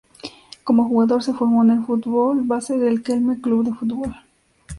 Como jugador se formó en el fútbol base del Kelme Club de Fútbol.